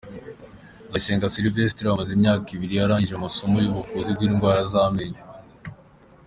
Nzayisenga Sylvestre amaze imyaka ibiri arangije amasomo y’ubuvuzi bw’indwara z’amenyo.